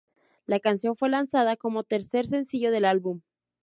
La canción fue lanzada como tercer sencillo del álbum.